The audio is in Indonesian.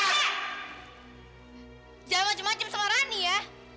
jangan macem macem sama rani ya